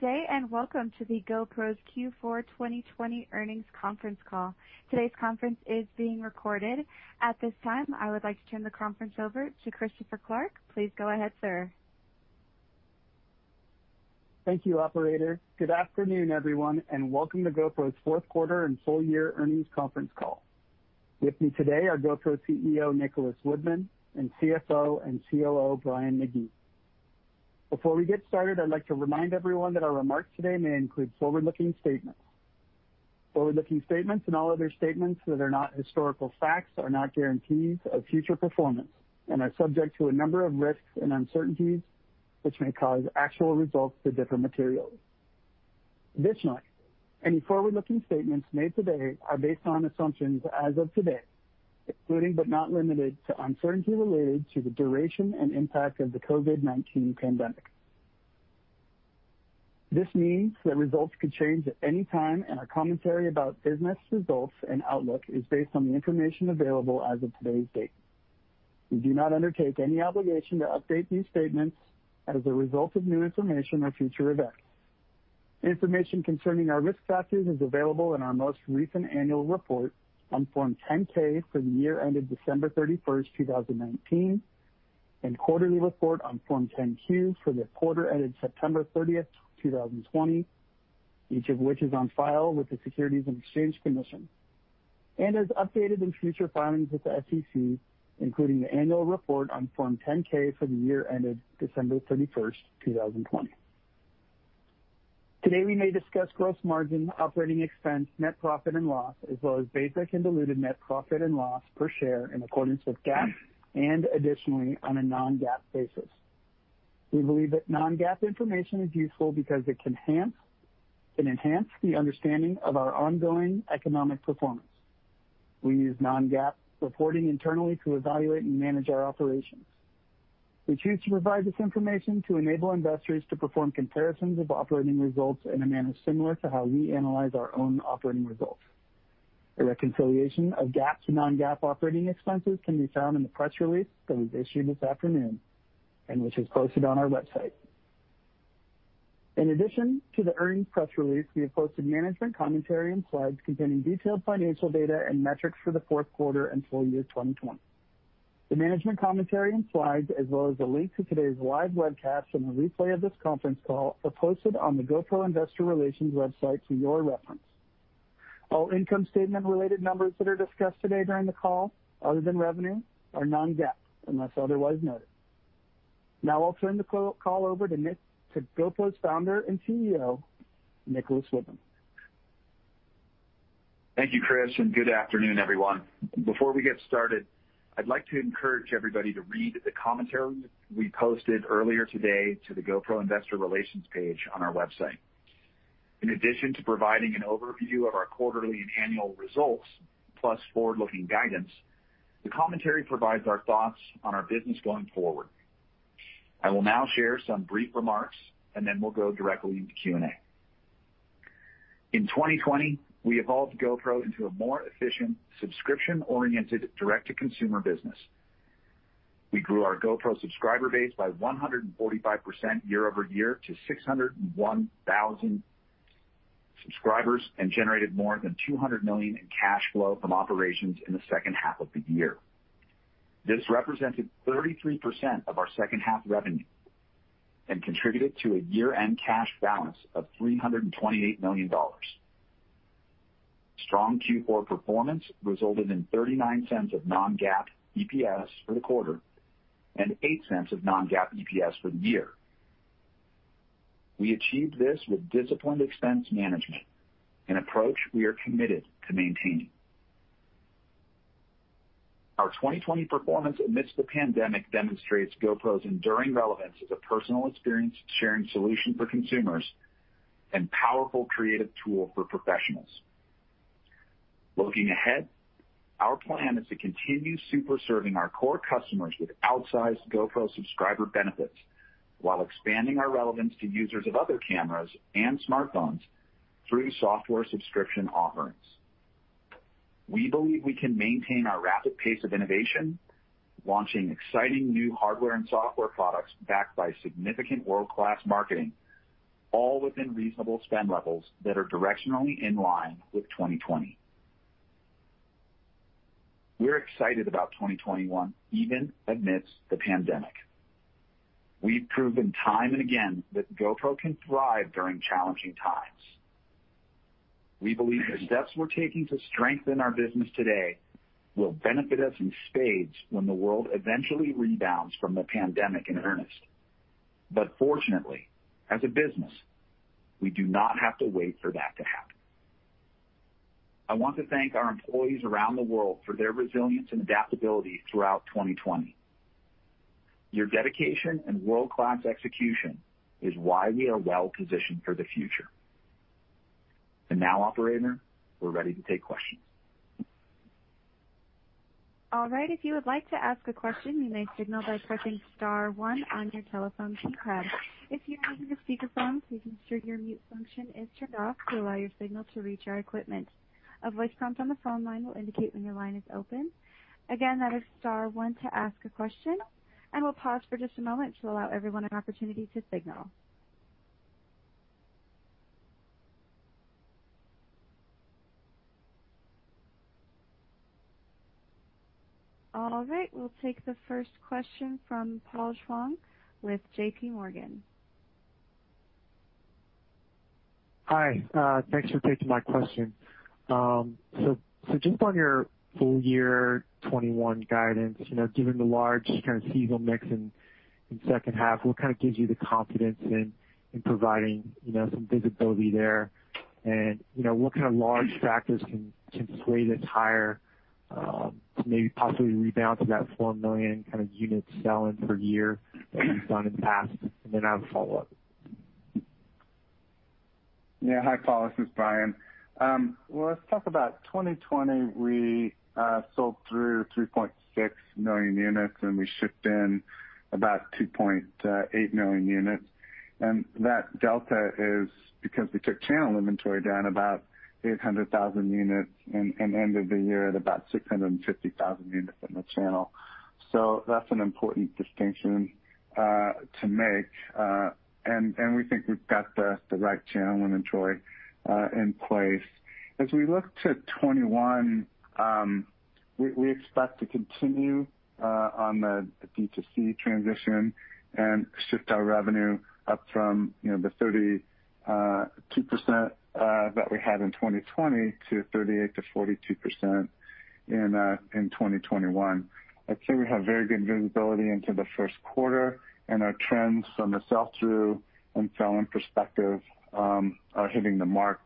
Good day and welcome to the GoPro Q4 2020 earnings conference call. Today's conference is being recorded. At this time, I would like to turn the conference over to Christopher Clark. Please go ahead, sir. Thank you, operator. Good afternoon, everyone, and welcome to GoPro's fourth quarter and full year earnings conference call. With me today are GoPro CEO Nicholas Woodman and CFO and COO Brian McGee. Before we get started, I'd like to remind everyone that our remarks today may include forward-looking statements. Forward-looking statements and all other statements that are not historical facts are not guarantees of future performance and are subject to a number of risks and uncertainties which may cause actual results to differ materially. Additionally, any forward-looking statements made today are based on assumptions as of today, including but not limited to uncertainty related to the duration and impact of the COVID-19 pandemic. This means that results could change at any time, and our commentary about business results and outlook is based on the information available as of today's date. We do not undertake any obligation to update these statements as a result of new information or future events. Information concerning our risk factors is available in our most recent annual report on Form 10-K for the year ended December 31, 2019, and quarterly report on Form 10-Q for the quarter ended September 30, 2020, each of which is on file with the Securities and Exchange Commission and is updated in future filings with the SEC, including the annual report on Form 10-K for the year ended December 31, 2020. Today, we may discuss gross margin, operating expense, net profit and loss, as well as basic and diluted net profit and loss per share in accordance with GAAP and additionally on a non-GAAP basis. We believe that non-GAAP information is useful because it can enhance the understanding of our ongoing economic performance. We use non-GAAP reporting internally to evaluate and manage our operations. We choose to provide this information to enable investors to perform comparisons of operating results in a manner similar to how we analyze our own operating results. A reconciliation of GAAP to non-GAAP operating expenses can be found in the press release that was issued this afternoon and which is posted on our website. In addition to the earnings press release, we have posted management commentary and slides containing detailed financial data and metrics for the fourth quarter and full year 2020. The management commentary and slides, as well as the link to today's live webcast and the replay of this conference call, are posted on the GoPro Investor Relations website for your reference. All income statement-related numbers that are discussed today during the call, other than revenue, are non-GAAP unless otherwise noted. Now I'll turn the call over to GoPro's founder and CEO, Nicholas Woodman. Thank you, Chris, and good afternoon, everyone. Before we get started, I'd like to encourage everybody to read the commentary we posted earlier today to the GoPro Investor Relations page on our website. In addition to providing an overview of our quarterly and annual results plus forward-looking guidance, the commentary provides our thoughts on our business going forward. I will now share some brief remarks, and then we'll go directly into Q&A. In 2020, we evolved GoPro into a more efficient, subscription-oriented direct-to-consumer business. We grew our GoPro subscriber base by 145% year over year to 601,000 subscribers and generated more than $200 million in cash flow from operations in the second half of the year. This represented 33% of our second half revenue and contributed to a year-end cash balance of $328 million. Strong Q4 performance resulted in $0.39 of non-GAAP EPS for the quarter and $0.08 of non-GAAP EPS for the year. We achieved this with disciplined expense management, an approach we are committed to maintaining. Our 2020 performance amidst the pandemic demonstrates GoPro's enduring relevance as a personal experience-sharing solution for consumers and powerful creative tool for professionals. Looking ahead, our plan is to continue super-serving our core customers with outsized GoPro subscriber benefits while expanding our relevance to users of other cameras and smartphones through software subscription offerings. We believe we can maintain our rapid pace of innovation, launching exciting new hardware and software products backed by significant world-class marketing, all within reasonable spend levels that are directionally in line with 2020. We're excited about 2021, even amidst the pandemic. We've proven time and again that GoPro can thrive during challenging times. We believe the steps we're taking to strengthen our business today will benefit us in spades when the world eventually rebounds from the pandemic in earnest. Fortunately, as a business, we do not have to wait for that to happen. I want to thank our employees around the world for their resilience and adaptability throughout 2020. Your dedication and world-class execution is why we are well-positioned for the future. Now, operator, we're ready to take questions. All right. If you would like to ask a question, you may signal by pressing star one on your telephone keypad. If you're using a speakerphone, please ensure your mute function is turned off to allow your signal to reach our equipment. A voice prompt on the phone line will indicate when your line is open. Again, that is star one to ask a question. We'll pause for just a moment to allow everyone an opportunity to signal. All right. We'll take the first question from Paul Chung with JPMorgan. Hi. Thanks for taking my question. Just on your full year 2021 guidance, given the large kind of seasonal mix in the second half, what kind of gives you the confidence in providing some visibility there? What kind of large factors can sway this higher to maybe possibly rebound to that 4 million kind of unit selling per year that you've done in the past? I have a follow-up. Yeah. Hi, Paul. This is Brian. Let's talk about 2020. We sold through 3.6 million units, and we shipped in about 2.8 million units. That delta is because we took channel inventory down about 800,000 units and ended the year at about 650,000 units in the channel. That is an important distinction to make. We think we've got the right channel inventory in place. As we look to 2021, we expect to continue on the D2C transition and shift our revenue up from the 32% that we had in 2020 to 38%-42% in 2021. I'd say we have very good visibility into the first quarter, and our trends from a sell-through and sell-in perspective are hitting the mark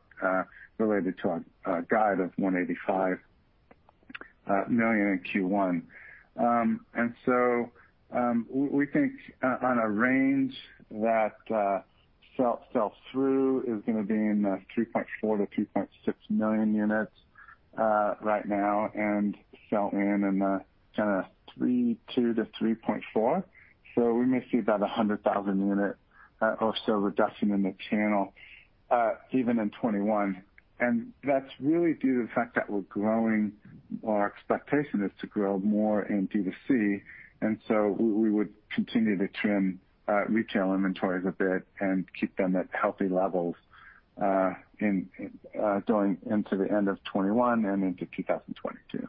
related to our guide of $185 million in Q1. We think on a range that sell-through is going to be in the 2.4 million units-2.6 million units right now and sell-in in the kind of 3.2 million units-3.4 million units. We may see about 100,000 unit or so reduction in the channel even in 2021. That is really due to the fact that we are growing; our expectation is to grow more in D2C. We would continue to trim retail inventories a bit and keep them at healthy levels going into the end of 2021 and into 2022.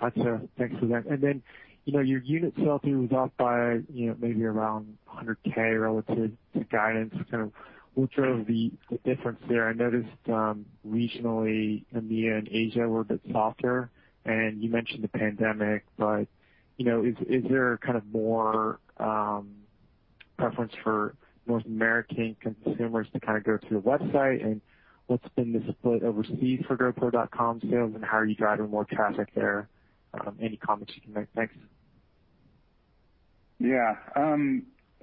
Gotcha. Thanks for that. Then your unit sell-through was off by maybe around 100,000 relative to guidance. Kind of what drove the difference there? I noticed regionally, India and Asia were a bit softer, and you mentioned the pandemic. Is there kind of more preference for North American consumers to kind of go to the website? What's been the split overseas for GoPro.com sales? How are you driving more traffic there? Any comments you can make? Thanks. Yeah.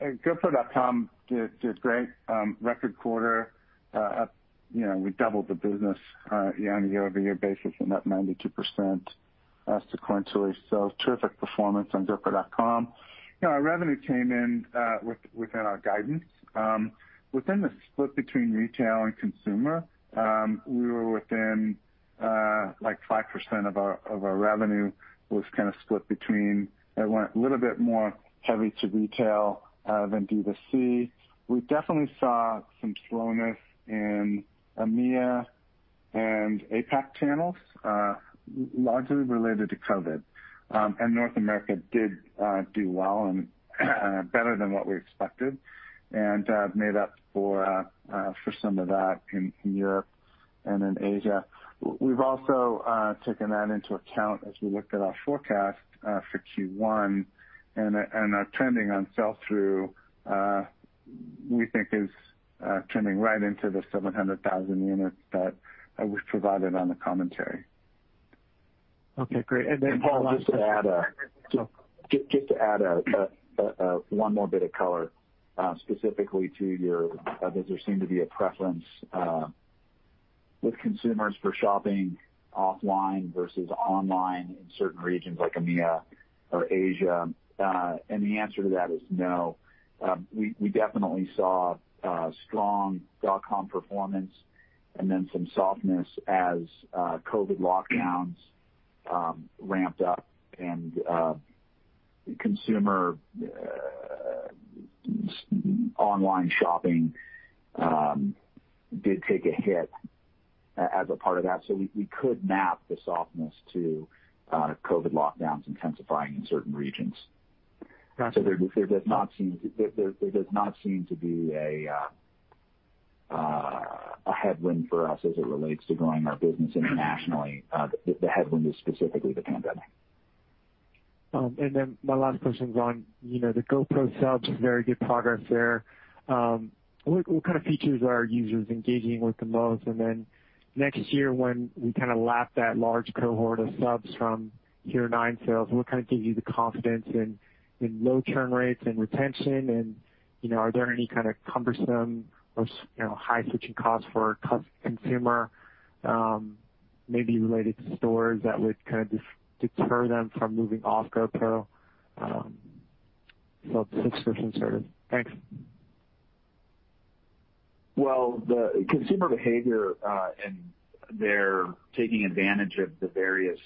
GoPro.com did great. Record quarter, we doubled the business year-on-year, year-over-year basis in that 92% sequentially. Terrific performance on GoPro.com. Our revenue came in within our guidance. Within the split between retail and consumer, we were within like 5% of our revenue was kind of split between. It went a little bit more heavy to retail than D2C. We definitely saw some slowness in EMEA and APAC channels, largely related to COVID. North America did do well and better than what we expected and made up for some of that in Europe and in Asia. We've also taken that into account as we looked at our forecast for Q1. Our trending on sell-through, we think, is trending right into the 700,000 units that was provided on the commentary. Okay. Great. Then. Paul, just to add one more bit of color, specifically to your visitors, there does not seem to be a preference with consumers for shopping offline versus online in certain regions like EMEA or Asia. The answer to that is no. We definitely saw strong dot-com performance and then some softness as COVID lockdowns ramped up and consumer online shopping did take a hit as a part of that. We could map the softness to COVID lockdowns intensifying in certain regions. There does not seem to be a headwind for us as it relates to growing our business internationally. The headwind is specifically the pandemic. My last question is on the GoPro subs, very good progress there. What kind of features are users engaging with the most? Next year, when we kind of lap that large cohort of subs from year nine sales, what kind of gives you the confidence in low churn rates and retention? Are there any kind of cumbersome or high switching costs for consumer, maybe related to stores, that would kind of deter them from moving off GoPro subscription service? Thanks. The consumer behavior and their taking advantage of the various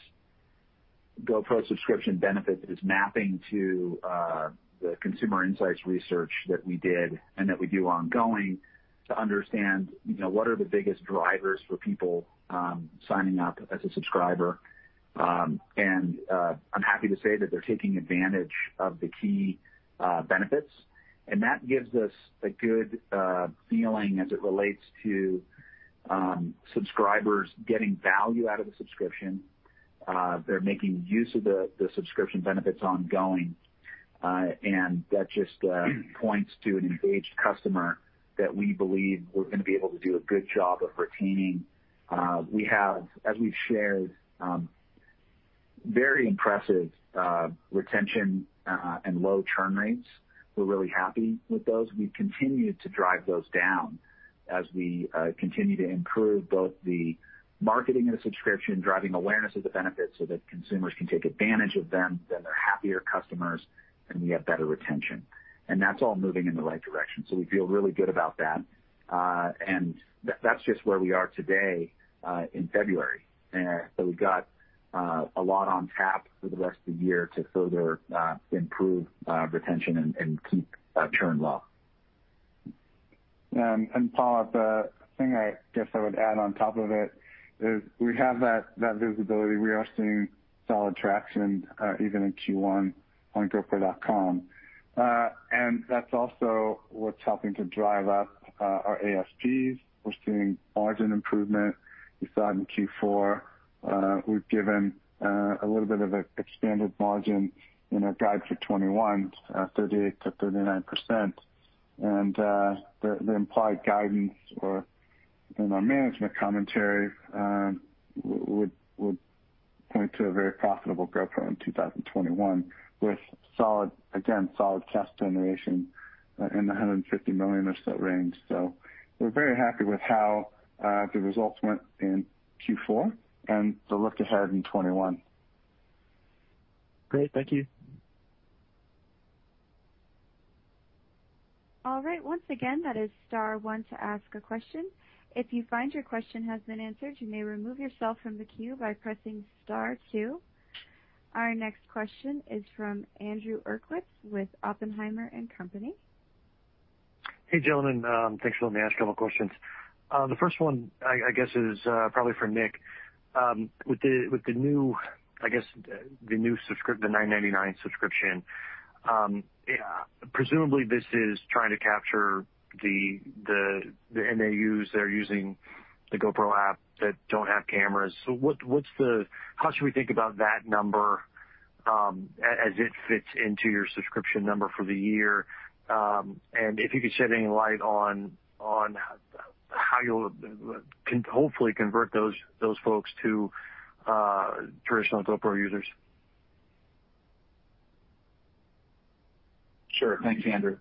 GoPro subscription benefits is mapping to the consumer insights research that we did and that we do ongoing to understand what are the biggest drivers for people signing up as a subscriber. I'm happy to say that they're taking advantage of the key benefits. That gives us a good feeling as it relates to subscribers getting value out of the subscription. They're making use of the subscription benefits ongoing. That just points to an engaged customer that we believe we're going to be able to do a good job of retaining. We have, as we've shared, very impressive retention and low churn rates. We're really happy with those. We continue to drive those down as we continue to improve both the marketing of the subscription, driving awareness of the benefits so that consumers can take advantage of them. They are happier customers, and we have better retention. That is all moving in the right direction. We feel really good about that. That is just where we are today in February. We have a lot on tap for the rest of the year to further improve retention and keep churn low. Paul, the thing I guess I would add on top of it is we have that visibility. We are seeing solid traction even in Q1 on GoPro.com. That's also what's helping to drive up our ASPs. We're seeing margin improvement. We saw it in Q4. We've given a little bit of an expanded margin in our guide for 2021, 38%-39%. The implied guidance or in our management commentary would point to a very profitable GoPro in 2021 with, again, solid cash generation in the $150 million or so range. We are very happy with how the results went in Q4 and the look ahead in 2021. Great. Thank you. All right. Once again, that is star one to ask a question. If you find your question has been answered, you may remove yourself from the queue by pressing star two. Our next question is from Andrew Uerkwitz with Oppenheimer and Company. Hey, gentlemen. Thanks for letting me ask a couple of questions. The first one, I guess, is probably for Nick. With the new, I guess, the new subscription, the $9.99 subscription, presumably this is trying to capture the MAUs that are using the GoPro app that don't have cameras. How should we think about that number as it fits into your subscription number for the year? If you could shed any light on how you'll hopefully convert those folks to traditional GoPro users. Sure. Thanks, Andrew.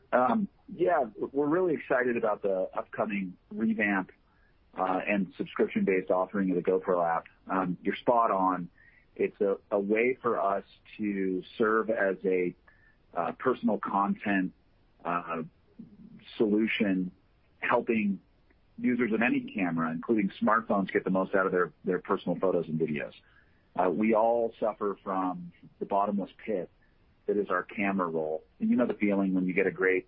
Yeah. We're really excited about the upcoming revamp and subscription-based offering of the GoPro app. You're spot on. It's a way for us to serve as a personal content solution, helping users of any camera, including smartphones, get the most out of their personal photos and videos. We all suffer from the bottomless pit that is our camera roll. You know the feeling when you get a great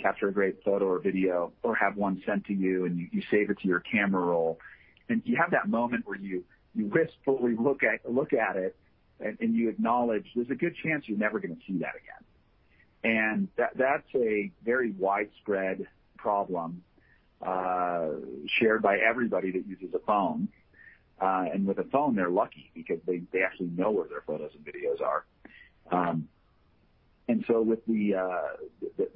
capture, a great photo or video, or have one sent to you, and you save it to your camera roll. You have that moment where you wistfully look at it, and you acknowledge there's a good chance you're never going to see that again. That's a very widespread problem shared by everybody that uses a phone. With a phone, they're lucky because they actually know where their photos and videos are. With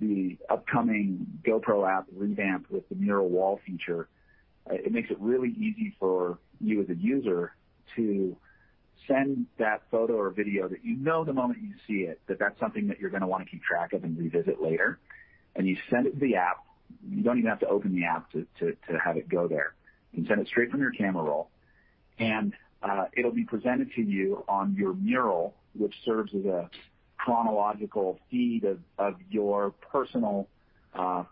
the upcoming GoPro app revamp with the Mural wall feature, it makes it really easy for you as a user to send that photo or video that you know the moment you see it, that that's something that you're going to want to keep track of and revisit later. You send it to the app. You don't even have to open the app to have it go there. You can send it straight from your camera roll. It will be presented to you on your Mural, which serves as a chronological feed of your personal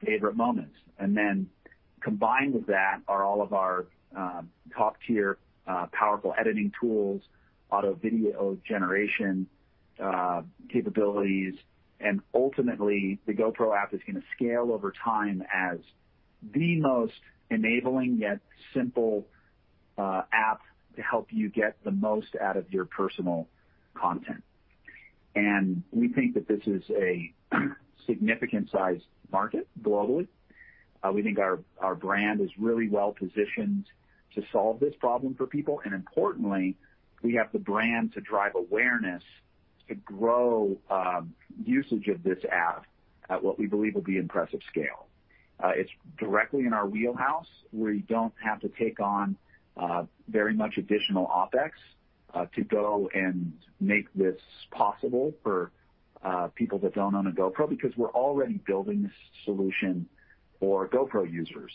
favorite moments. Combined with that are all of our top-tier powerful editing tools, auto video generation capabilities. Ultimately, the GoPro app is going to scale over time as the most enabling yet simple app to help you get the most out of your personal content. We think that this is a significant-sized market globally. We think our brand is really well-positioned to solve this problem for people. Importantly, we have the brand to drive awareness, to grow usage of this app at what we believe will be impressive scale. It is directly in our wheelhouse where you do not have to take on very much additional OpEx to go and make this possible for people that do not own a GoPro because we are already building this solution for GoPro users.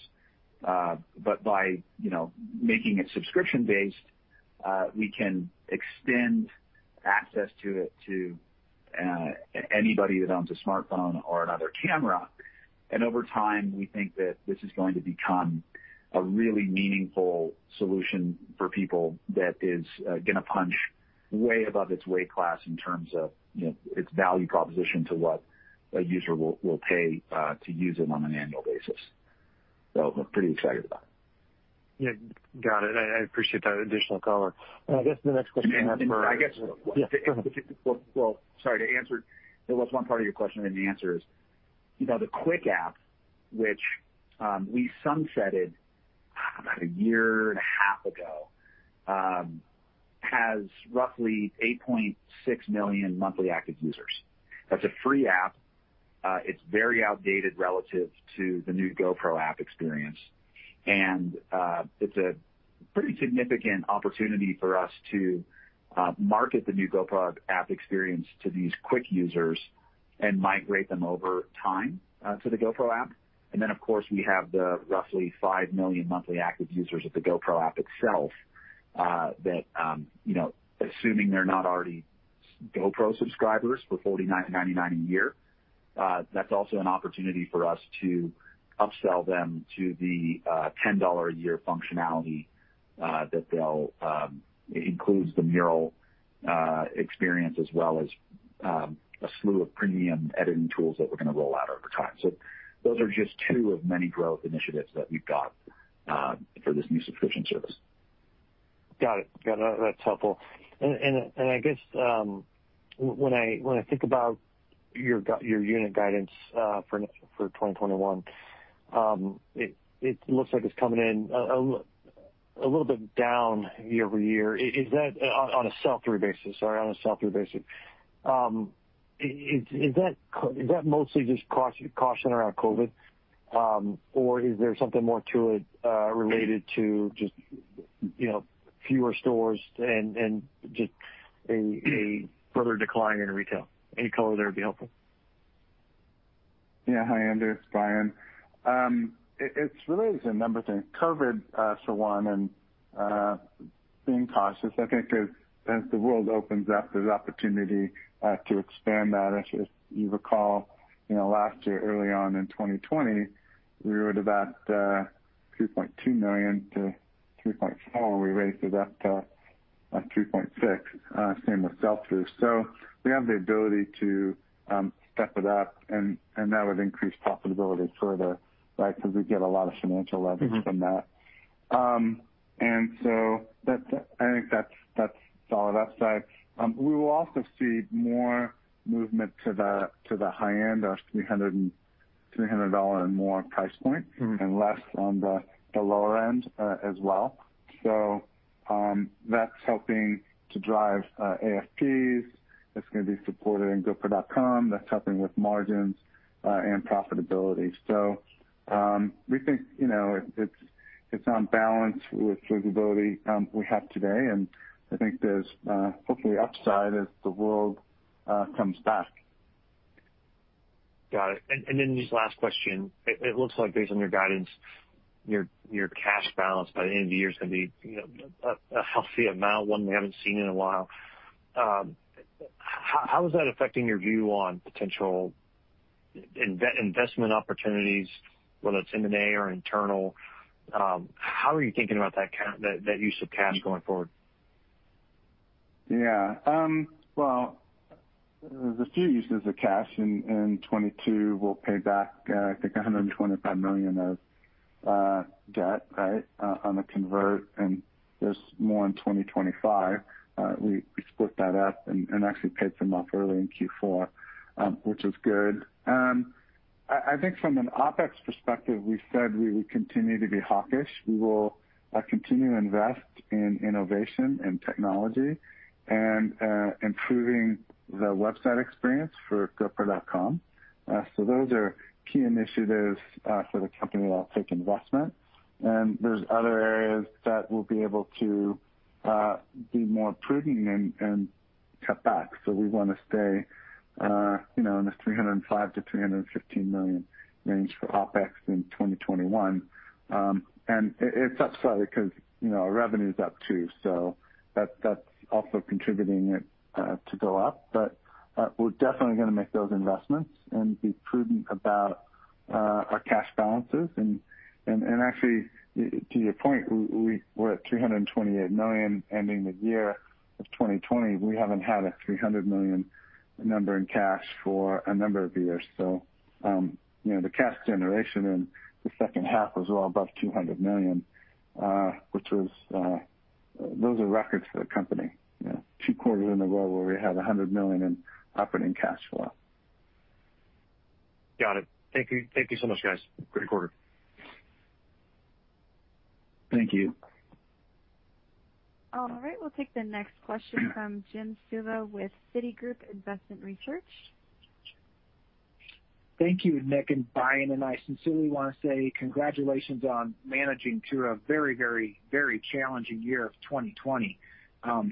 By making it subscription-based, we can extend access to it to anybody that owns a smartphone or another camera. Over time, we think that this is going to become a really meaningful solution for people that is going to punch way above its weight class in terms of its value proposition to what a user will pay to use it on an annual basis. We're pretty excited about it. Yeah. Got it. I appreciate that additional color. I guess the next question I have for. I guess. Yeah. Go ahead. It was one part of your question, and the answer is the Quik app, which we sunsetted about a year and a half ago, has roughly 8.6 million monthly active users. That's a free app. It's very outdated relative to the new GoPro app experience. It's a pretty significant opportunity for us to market the new GoPro app experience to these Quik users and migrate them over time to the GoPro app. Of course, we have the roughly 5 million monthly active users of the GoPro app itself that, assuming they're not already GoPro subscribers for $49.99 a year, that's also an opportunity for us to upsell them to the $10 a year functionality that includes the Mural experience as well as a slew of premium editing tools that we're going to roll out over time. Those are just two of many growth initiatives that we've got for this new subscription service. Got it. Got it. That's helpful. I guess when I think about your unit guidance for 2021, it looks like it's coming in a little bit down year over year. On a sell-through basis, sorry, on a sell-through basis, is that mostly just caution around COVID, or is there something more to it related to just fewer stores and just a further decline in retail? Any color there would be helpful. Yeah. Hi, Andrew. It's Brian. It's really just a number thing. COVID, for one, and being cautious, I think as the world opens up, there's opportunity to expand that. As you recall, last year, early on in 2020, we were at about 3.2 million units to 3.4 million units. We raised it up to 3.6 million units, same with sell-through. We have the ability to step it up, and that would increase profitability further because we get a lot of financial leverage from that. I think that's all of that side. We will also see more movement to the high end, our $300 and more price point, and less on the lower end as well. That's helping to drive ASPs. It's going to be supported in GoPro.com. That's helping with margins and profitability. We think it's on balance with visibility we have today. I think there's hopefully upside as the world comes back. Got it. This last question, it looks like based on your guidance, your cash balance by the end of the year is going to be a healthy amount, one we have not seen in a while. How is that affecting your view on potential investment opportunities, whether it is M&A or internal? How are you thinking about that use of cash going forward? Yeah. There are a few uses of cash. In 2022, we'll pay back, I think, $125 million of debt, right, on the convert. There is more in 2025. We split that up and actually paid some off early in Q4, which was good. I think from an OpEx perspective, we said we would continue to be hawkish. We will continue to invest in innovation and technology and improving the website experience for GoPro.com. Those are key initiatives for the company that'll take investment. There are other areas that we'll be able to be more prudent and cut back. We want to stay in the $305 million-$315 million range for OpEx in 2021. It is upside because our revenue is up too. That is also contributing to go up. We are definitely going to make those investments and be prudent about our cash balances. Actually, to your point, we're at $328 million ending the year of 2020. We haven't had a $300 million number in cash for a number of years. The cash generation in the second half was well above $200 million, which was those are records for the company. Two quarters in a row where we had $100 million in operating cash flow. Got it. Thank you so much, guys. Great quarter. Thank you. All right. We'll take the next question from Jim Suva with Citigroup Investment Research. Thank you, Nick and Brian. I sincerely want to say congratulations on managing through a very, very, very challenging year of 2020.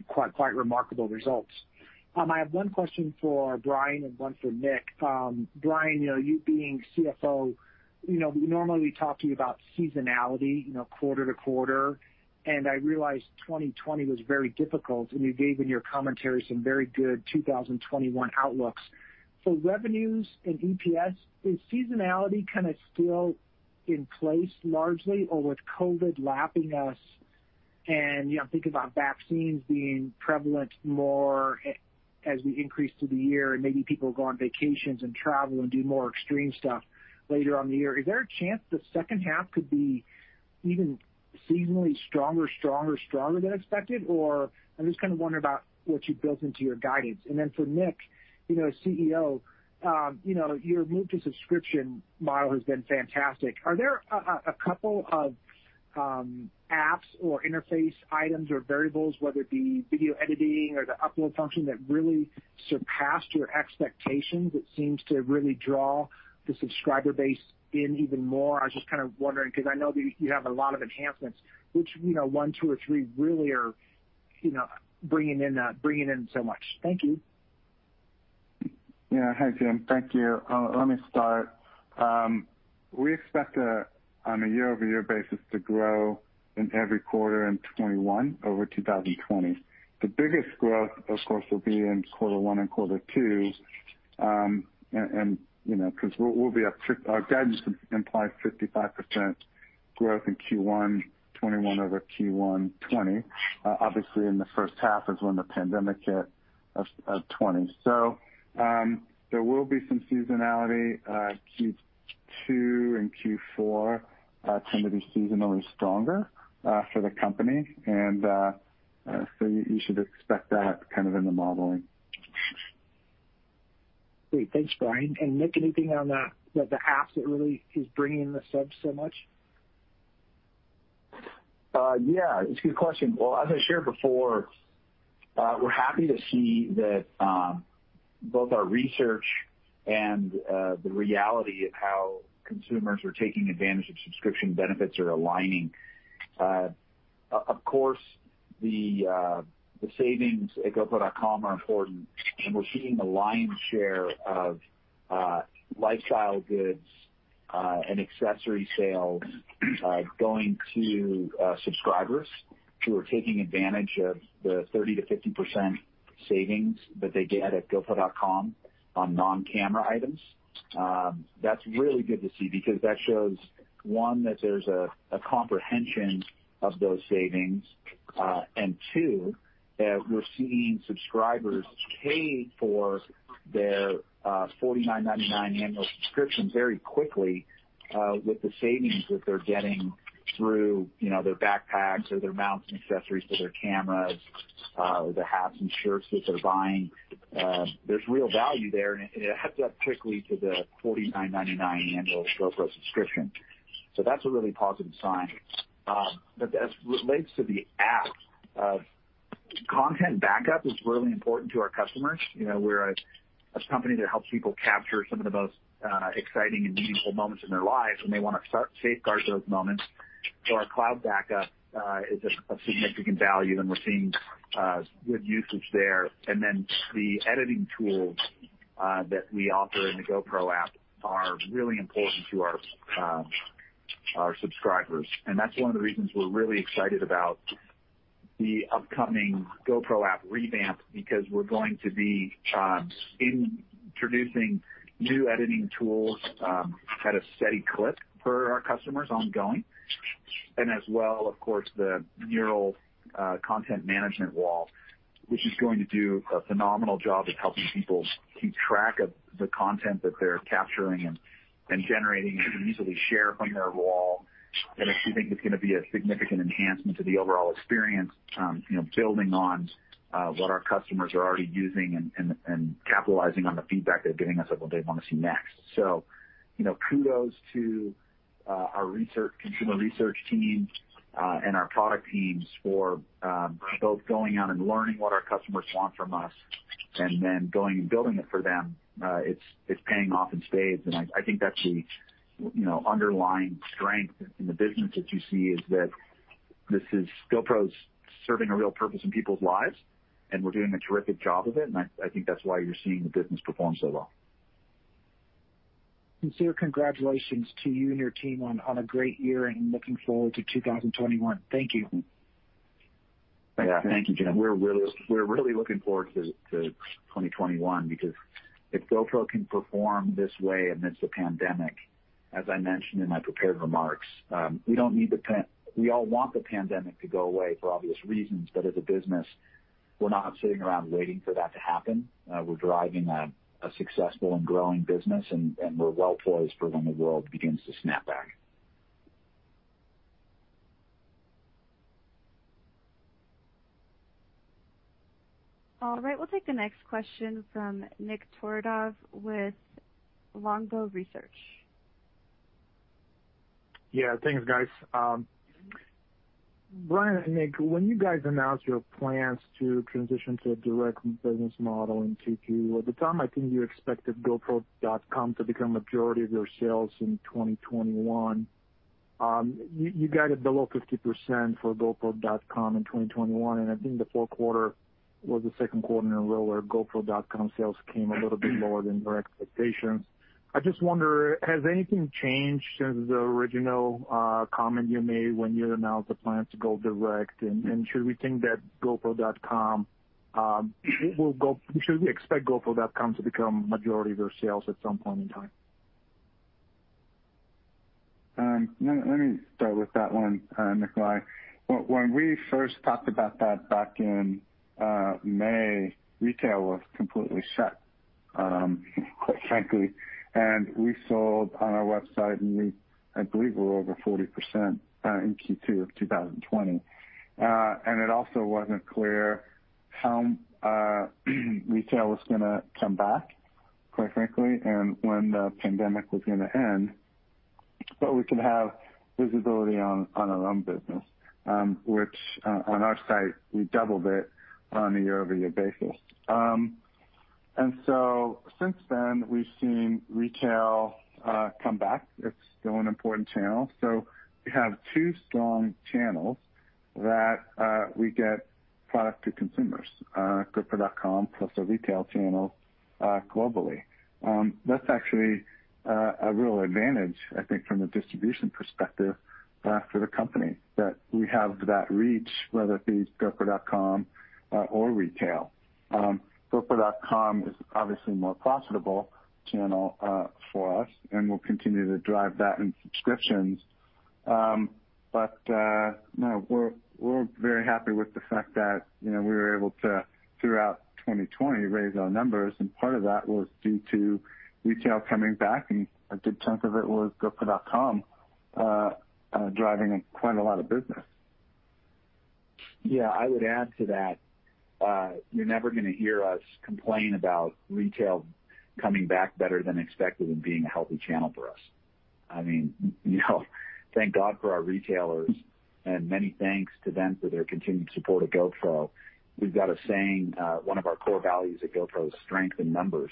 Quite remarkable results. I have one question for Brian and one for Nick. Brian, you being CFO, normally we talk to you about seasonality, quarter to quarter. I realized 2020 was very difficult, and you gave in your commentary some very good 2021 outlooks. For revenues and EPS, is seasonality kind of still in place largely or with COVID lapping us? I am thinking about vaccines being prevalent more as we increase through the year, and maybe people go on vacations and travel and do more extreme stuff later on in the year. Is there a chance the second half could be even seasonally stronger, stronger, stronger than expected? I am just kind of wondering about what you built into your guidance. For Nick, CEO, your move to subscription model has been fantastic. Are there a couple of apps or interface items or variables, whether it be video editing or the upload function, that really surpassed your expectations? It seems to really draw the subscriber base in even more. I was just kind of wondering because I know that you have a lot of enhancements, which one, two, or three really are bringing in so much. Thank you. Yeah. Hi, Jim. Thank you. Let me start. We expect on a year-over-year basis to grow in every quarter in 2021 over 2020. The biggest growth, of course, will be in quarter one and quarter two because we'll be up. Our guidance implies 55% growth in Q1 2021 over Q1 2020. Obviously, in the first half is when the pandemic hit of 2020. There will be some seasonality. Q2 and Q4 tend to be seasonally stronger for the company. You should expect that kind of in the modeling. Great. Thanks, Brian. Nick, anything on the apps that really is bringing the subs so much? Yeah. It's a good question. As I shared before, we're happy to see that both our research and the reality of how consumers are taking advantage of subscription benefits are aligning. Of course, the savings at GoPro.com are important. We're seeing the lion's share of lifestyle goods and accessory sales going to subscribers who are taking advantage of the 30%-50% savings that they get at GoPro.com on non-camera items. That's really good to see because that shows, one, that there's a comprehension of those savings. Two, we're seeing subscribers pay for their $49.99 annual subscription very quickly with the savings that they're getting through their backpacks or their mounts and accessories for their cameras, the hats and shirts that they're buying. There's real value there. It adds up quickly to the $49.99 annual GoPro subscription. That's a really positive sign. As it relates to the app, content backup is really important to our customers. We're a company that helps people capture some of the most exciting and meaningful moments in their lives, and they want to safeguard those moments. Our cloud backup is of significant value, and we're seeing good usage there. The editing tools that we offer in the GoPro app are really important to our subscribers. That's one of the reasons we're really excited about the upcoming GoPro app revamp because we're going to be introducing new editing tools at a steady clip for our customers ongoing. As well, of course, the Mural content management wall, which is going to do a phenomenal job of helping people keep track of the content that they're capturing and generating and easily share from their wall. We think it's going to be a significant enhancement to the overall experience, building on what our customers are already using and capitalizing on the feedback they're giving us of what they want to see next. Kudos to our consumer research team and our product teams for both going out and learning what our customers want from us and then going and building it for them. It's paying off in spades. I think that's the underlying strength in the business that you see is that GoPro is serving a real purpose in people's lives, and we're doing a terrific job of it. I think that's why you're seeing the business perform so well. Congratulations to you and your team on a great year and looking forward to 2021. Thank you. Thank you, Jim. We're really looking forward to 2021 because if GoPro can perform this way amidst a pandemic, as I mentioned in my prepared remarks, we do not need the—we all want the pandemic to go away for obvious reasons. As a business, we're not sitting around waiting for that to happen. We're driving a successful and growing business, and we're well poised for when the world begins to snap back. All right. We'll take the next question from Nik Torodov with Longbow Research. Yeah. Thanks, guys. Brian and Nick, when you guys announced your plans to transition to a direct business model in Q2, at the time, I think you expected GoPro.com to become a majority of your sales in 2021. You guided below 50% for GoPro.com in 2021. I think the fourth quarter was the second quarter in a row where GoPro.com sales came a little bit lower than their expectations. I just wonder, has anything changed since the original comment you made when you announced the plans to go direct? Should we think that GoPro.com, should we expect GoPro.com to become a majority of your sales at some point in time? Let me start with that one, Nik. When we first talked about that back in May, retail was completely shut, quite frankly. We sold on our website, and I believe we were over 40% in Q2 of 2020. It also was not clear how retail was going to come back, quite frankly, and when the pandemic was going to end. We could have visibility on our own business, which on our site, we doubled it on a year-over-year basis. Since then, we have seen retail come back. It is still an important channel. We have two strong channels that we get product to consumers, GoPro.com plus a retail channel globally. That is actually a real advantage, I think, from a distribution perspective for the company that we have that reach, whether it be GoPro.com or retail. GoPro.com is obviously a more profitable channel for us, and we'll continue to drive that in subscriptions. No, we're very happy with the fact that we were able to, throughout 2020, raise our numbers. Part of that was due to retail coming back, and a good chunk of it was GoPro.com driving quite a lot of business. Yeah. I would add to that, you're never going to hear us complain about retail coming back better than expected and being a healthy channel for us. I mean, thank God for our retailers, and many thanks to them for their continued support of GoPro. We've got a saying. One of our core values at GoPro is strength in numbers.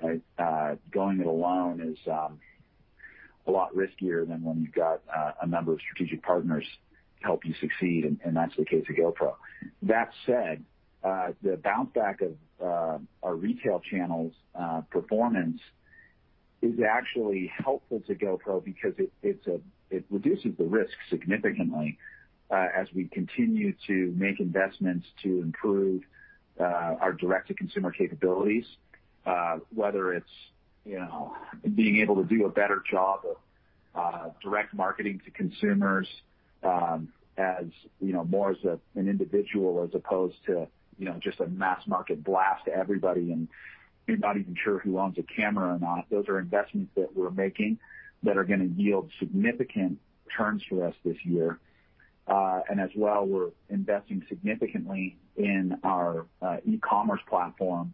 Going it alone is a lot riskier than when you've got a number of strategic partners to help you succeed. That's the case at GoPro. That said, the bounce back of our retail channel's performance is actually helpful to GoPro because it reduces the risk significantly as we continue to make investments to improve our direct-to-consumer capabilities, whether it's being able to do a better job of direct marketing to consumers more as an individual as opposed to just a mass market blast to everybody and not even sure who owns a camera or not. Those are investments that we're making that are going to yield significant returns for us this year. As well, we're investing significantly in our e-commerce platform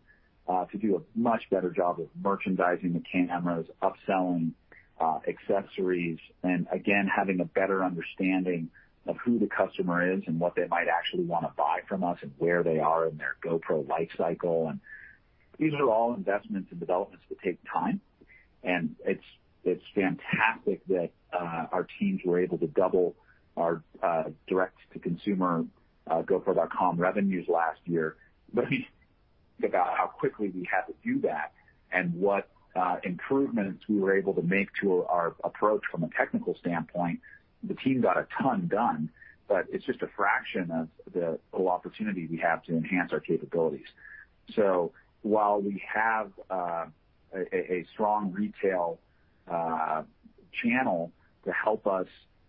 to do a much better job of merchandising the cameras, upselling accessories, and again, having a better understanding of who the customer is and what they might actually want to buy from us and where they are in their GoPro life cycle. These are all investments and developments that take time. It is fantastic that our teams were able to double our direct-to-consumer GoPro.com revenues last year. Think about how quickly we had to do that and what improvements we were able to make to our approach from a technical standpoint. The team got a ton done, but it is just a fraction of the opportunity we have to enhance our capabilities. While we have a strong retail channel to help us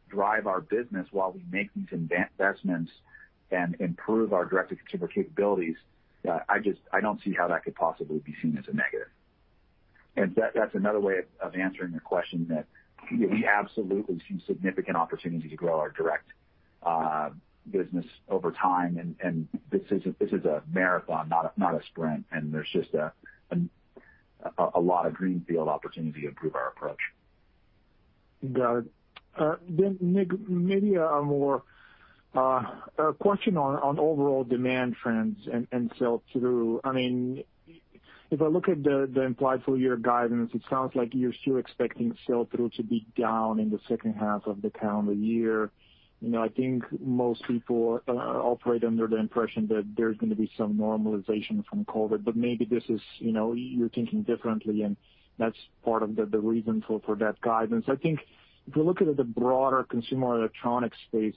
drive our business while we make these investments and improve our direct-to-consumer capabilities, I do not see how that could possibly be seen as a negative. That is another way of answering your question that we absolutely see significant opportunity to grow our direct business over time. This is a marathon, not a sprint. There is just a lot of greenfield opportunity to improve our approach. Got it. Then, Nick, maybe a question on overall demand trends and sell-through. I mean, if I look at the implied full-year guidance, it sounds like you're still expecting sell-through to be down in the second half of the calendar year. I think most people operate under the impression that there's going to be some normalization from COVID. Maybe this is you're thinking differently, and that's part of the reason for that guidance. I think if we look at the broader consumer electronics space,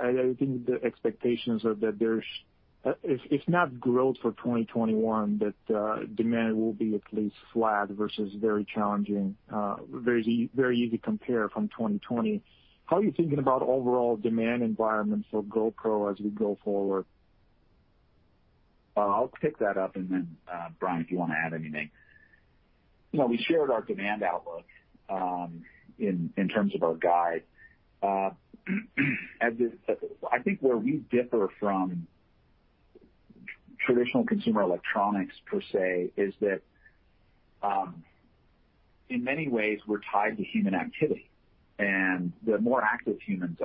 I think the expectations are that there's, if not growth for 2021, that demand will be at least flat versus very challenging. Very easy to compare from 2020. How are you thinking about overall demand environment for GoPro as we go forward? I'll pick that up. Brian, if you want to add anything. We shared our demand outlook in terms of our guide. I think where we differ from traditional consumer electronics per se is that in many ways, we're tied to human activity. The more active humans,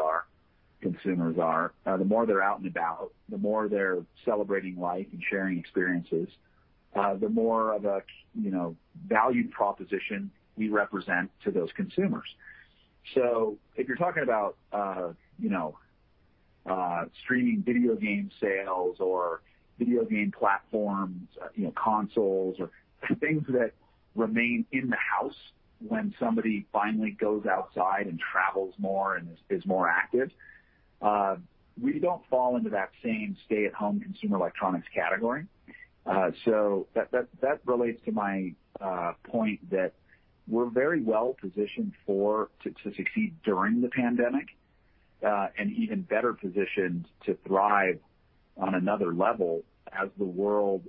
consumers are, the more they're out and about, the more they're celebrating life and sharing experiences, the more of a value proposition we represent to those consumers. If you're talking about streaming video game sales or video game platforms, consoles, or things that remain in the house, when somebody finally goes outside and travels more and is more active, we don't fall into that same stay-at-home consumer electronics category. That relates to my point that we're very well positioned to succeed during the pandemic and even better positioned to thrive on another level as the world,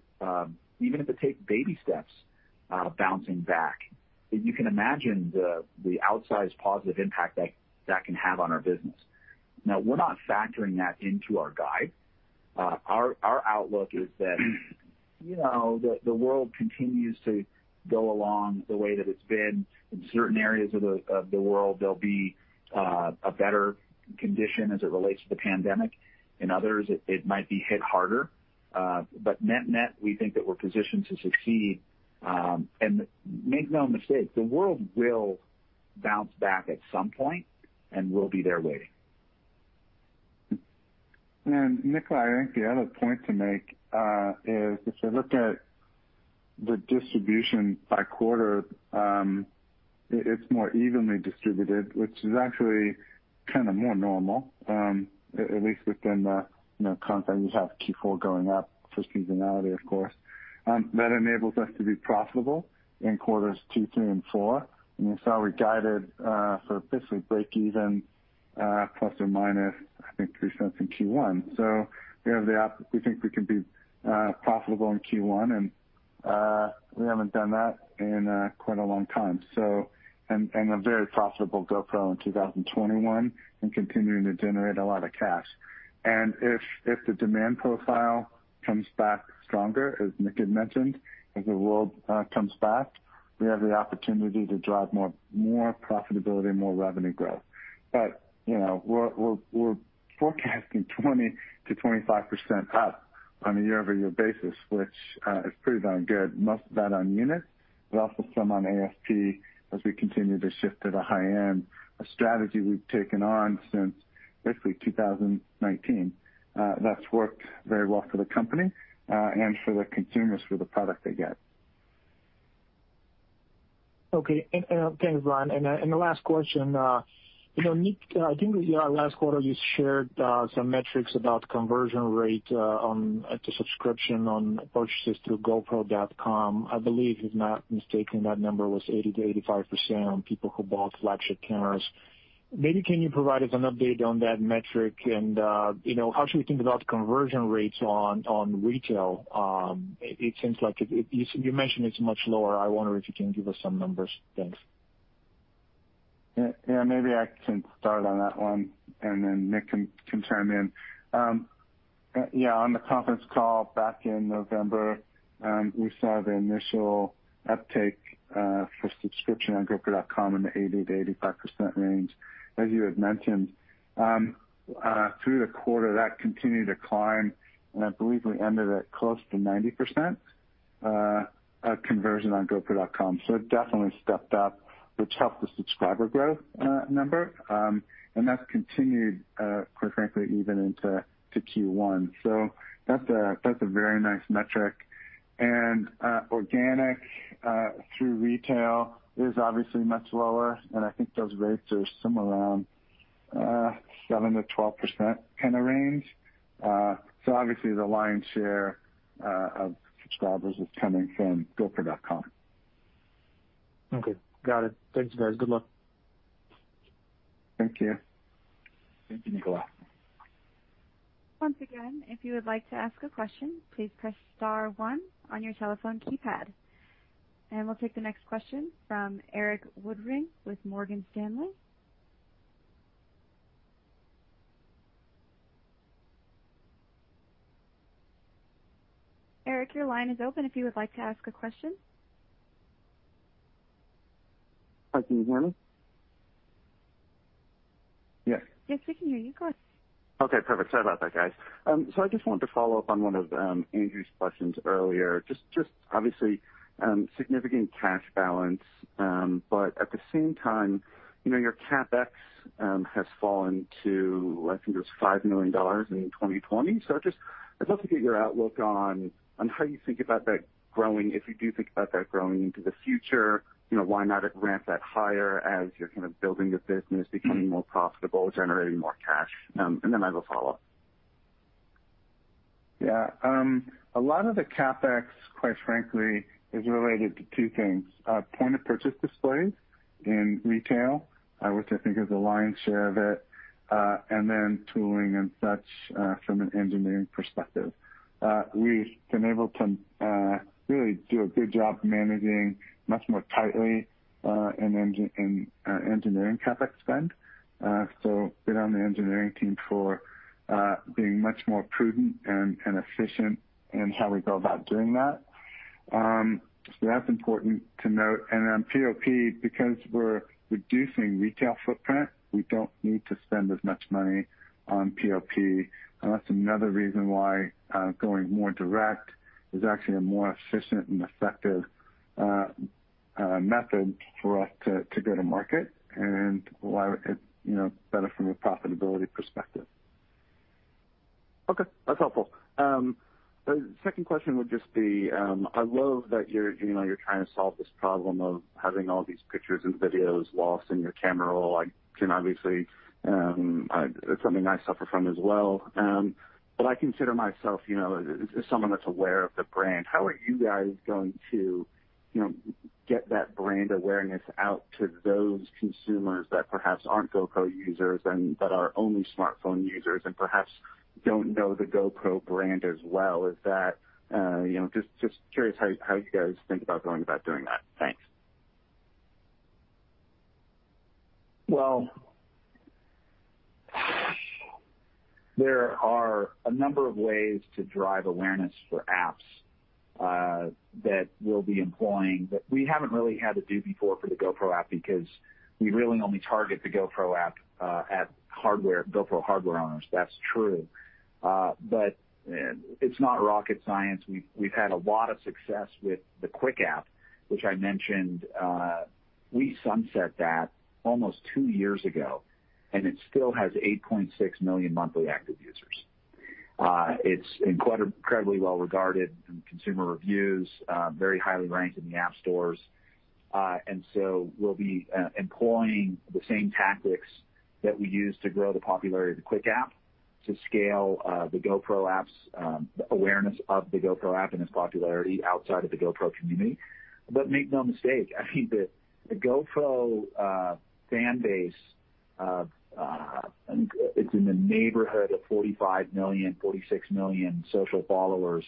even if it takes baby steps, bouncing back. You can imagine the outsized positive impact that can have on our business. Now, we're not factoring that into our guide. Our outlook is that the world continues to go along the way that it's been. In certain areas of the world, there'll be a better condition as it relates to the pandemic. In others, it might be hit harder. Net, net, we think that we're positioned to succeed. Make no mistake, the world will bounce back at some point, and we'll be there waiting. Nik, I think the other point to make is if we look at the distribution by quarter, it is more evenly distributed, which is actually kind of more normal, at least within the context we have Q4 going up for seasonality, of course. That enables us to be profitable in quarters two, three, and four. We saw we guided for basically break-even plus or minus, I think, three cents in Q1. We think we can be profitable in Q1. We have not done that in quite a long time. A very profitable GoPro in 2021 and continuing to generate a lot of cash. If the demand profile comes back stronger, as Nick had mentioned, as the world comes back, we have the opportunity to drive more profitability and more revenue growth. We're forecasting 20%-25% up on a year-over-year basis, which is pretty darn good, most of that on units, but also some on ASP as we continue to shift to the high-end strategy we've taken on since basically 2019. That's worked very well for the company and for the consumers for the product they get. Okay. Thanks, Brian. The last question, Nick, I think last quarter you shared some metrics about conversion rate on the subscription on purchases through GoPro.com. I believe, if I'm not mistaken, that number was 80%-85% on people who bought flagship cameras. Maybe can you provide us an update on that metric? How should we think about conversion rates on retail? It seems like you mentioned it's much lower. I wonder if you can give us some numbers. Thanks. Yeah. Maybe I can start on that one, and then Nick can chime in. Yeah. On the conference call back in November, we saw the initial uptake for subscription on GoPro.com in the 80%-85% range, as you had mentioned. Through the quarter, that continued to climb. I believe we ended at close to 90% conversion on GoPro.com. It definitely stepped up, which helped the subscriber growth number. That has continued, quite frankly, even into Q1. That is a very nice metric. Organic through retail is obviously much lower. I think those rates are somewhere around 7%-12% kind of range. Obviously, the lion's share of subscribers is coming from GoPro.com. Okay. Got it. Thanks, guys. Good luck. Thank you. Thank you, Nik. Once again, if you would like to ask a question, please press star one on your telephone keypad. We will take the next question from Erik Woodring with Morgan Stanley. Erik, your line is open if you would like to ask a question. Hi, can you hear me? Yes. Yes, we can hear you. Go ahead. Okay. Perfect. Sorry about that, guys. I just wanted to follow up on one of Andrew's questions earlier. Obviously, significant cash balance. At the same time, your CapEx has fallen to, I think it was $5 million in 2020. I would love to get your outlook on how you think about that growing. If you do think about that growing into the future, why not ramp that higher as you are kind of building the business, becoming more profitable, generating more cash? I have a follow-up. Yeah. A lot of the CapEx, quite frankly, is related to two things: point-of-purchase displays in retail, which I think is the lion's share of it, and then tooling and such from an engineering perspective. We've been able to really do a good job managing much more tightly in engineering CapEx spend. Good on the engineering team for being much more prudent and efficient in how we go about doing that. That's important to note. POP, because we're reducing retail footprint, we don't need to spend as much money on POP. That's another reason why going more direct is actually a more efficient and effective method for us to go to market and better from a profitability perspective. Okay. That's helpful. The second question would just be I love that you're trying to solve this problem of having all these pictures and videos lost in your camera roll. I can obviously—it's something I suffer from as well. I consider myself as someone that's aware of the brand. How are you guys going to get that brand awareness out to those consumers that perhaps aren't GoPro users and that are only smartphone users and perhaps don't know the GoPro brand as well? Just curious how you guys think about going about doing that. Thanks. There are a number of ways to drive awareness for apps that we'll be employing that we haven't really had to do before for the GoPro app because we really only target the GoPro app at GoPro hardware owners. That's true. It's not rocket science. We've had a lot of success with the Quik app, which I mentioned. We sunset that almost two years ago, and it still has 8.6 million monthly active users. It's incredibly well regarded in consumer reviews, very highly ranked in the app stores. We'll be employing the same tactics that we use to grow the popularity of the Quik app to scale the GoPro apps, the awareness of the GoPro app and its popularity outside of the GoPro community. Make no mistake, I think the GoPro fan base, it's in the neighborhood of 45 million, 46 million social followers,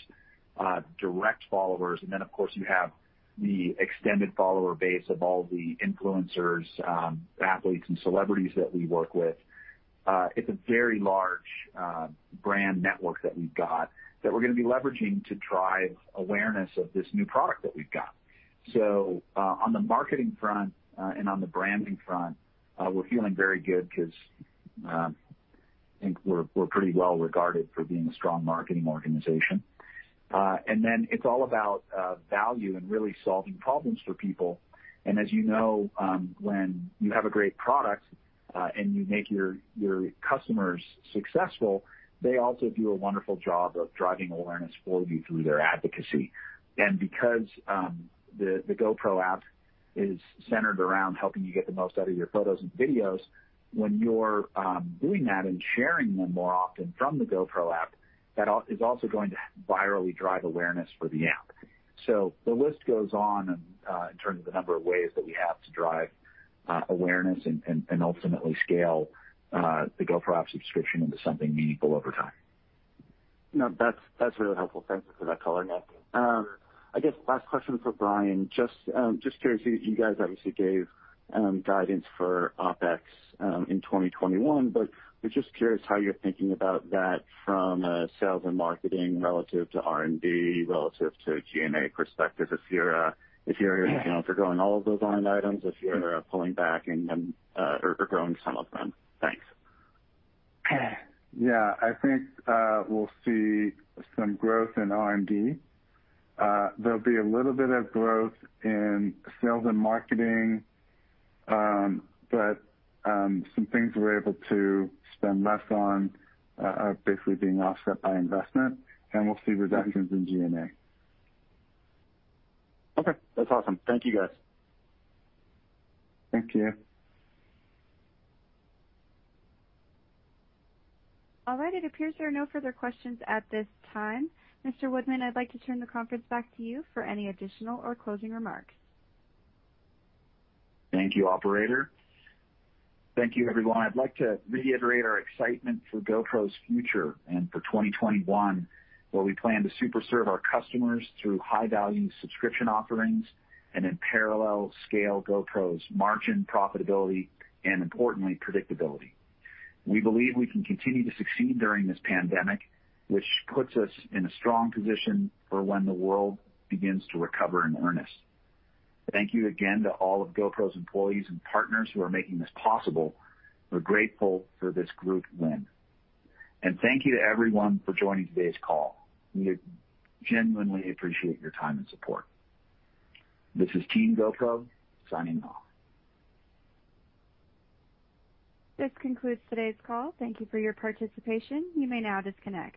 direct followers. Of course, you have the extended follower base of all the influencers, athletes, and celebrities that we work with. It's a very large brand network that we've got that we're going to be leveraging to drive awareness of this new product that we've got. On the marketing front and on the branding front, we're feeling very good because I think we're pretty well regarded for being a strong marketing organization. It's all about value and really solving problems for people. As you know, when you have a great product and you make your customers successful, they also do a wonderful job of driving awareness for you through their advocacy. Because the GoPro app is centered around helping you get the most out of your photos and videos, when you're doing that and sharing them more often from the GoPro app, that is also going to virally drive awareness for the app. The list goes on in terms of the number of ways that we have to drive awareness and ultimately scale the GoPro app subscription into something meaningful over time. No, that's really helpful. Thank you for that color, Nick. I guess last question for Brian. Just curious, you guys obviously gave guidance for OpEx in 2021, but we're just curious how you're thinking about that from sales and marketing relative to R&D, relative to G&A perspective. If you're going all of those line items, if you're pulling back or growing some of them. Thanks. Yeah. I think we'll see some growth in R&D. There'll be a little bit of growth in sales and marketing, but some things we're able to spend less on are basically being offset by investment. We'll see reductions in GMA. Okay. That's awesome. Thank you, guys. Thank you. All right. It appears there are no further questions at this time. Mr. Woodman, I'd like to turn the conference back to you for any additional or closing remarks. Thank you, operator. Thank you, everyone. I'd like to reiterate our excitement for GoPro's future and for 2021, where we plan to super serve our customers through high-value subscription offerings and in parallel scale GoPro's margin, profitability, and importantly, predictability. We believe we can continue to succeed during this pandemic, which puts us in a strong position for when the world begins to recover in earnest. Thank you again to all of GoPro's employees and partners who are making this possible. We're grateful for this group win. Thank you to everyone for joining today's call. We genuinely appreciate your time and support. This is Team GoPro signing off. This concludes today's call. Thank you for your participation. You may now disconnect.